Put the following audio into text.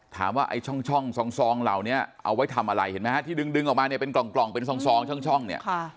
ถามว่าไอ้ช่องช่องซองซองเหล่าเนี้ยเอาไว้ทำอะไรเห็นไหมฮะที่ดึงดึงออกมาเนี้ยเป็นกล่องกล่องเป็นซองซองช่องช่องเนี้ย